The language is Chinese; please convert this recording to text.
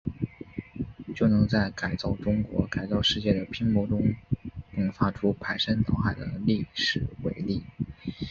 就能在改造中国、改造世界的拼搏中，迸发出排山倒海的历史伟力。